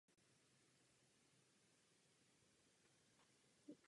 Asi největší úspěch jeho kariéry je sólový koncert v Carnegie Hall v New Yorku.